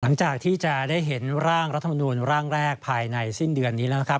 หลังจากที่จะได้เห็นร่างรัฐมนูลร่างแรกภายในสิ้นเดือนนี้แล้วนะครับ